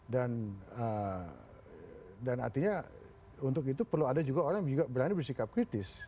artinya untuk itu perlu ada juga orang yang juga berani bersikap kritis